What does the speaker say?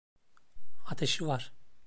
"Ateşi var.